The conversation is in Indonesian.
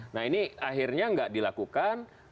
nah ini akhirnya nggak dilakukan